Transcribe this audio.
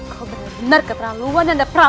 kau benar benar keterlaluan dan depravu